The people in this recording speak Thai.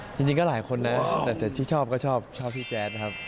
จริงก็หลายคนนะแต่ที่ชอบก็ชอบพี่แจ๊ดนะครับ